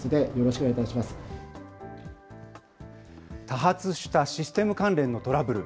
多発したシステム関連のトラブル。